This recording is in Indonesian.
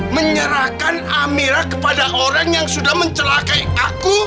menyerahkan amirah kepada orang yang sudah mencelakai aku